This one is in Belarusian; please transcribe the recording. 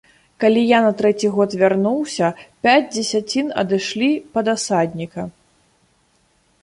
Калі я на трэці год вярнуўся, пяць дзесяцін адышлі пад асадніка.